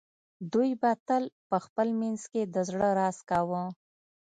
دوی به تل په خپل منځ کې د زړه راز کاوه